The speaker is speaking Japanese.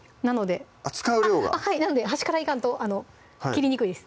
あっ使う量がはいなので端からいかんと切りにくいです